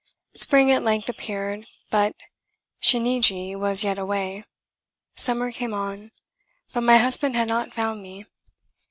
Spring at length appeared, but Sheninjee was yet away; summer came on, but my husband had not found me.